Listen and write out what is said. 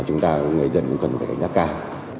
chúng ta người dân cũng cần phải cảnh giác cao